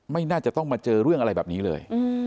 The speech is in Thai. ไม่น่าจะต้องมาเจอเรื่องอะไรแบบนี้เลย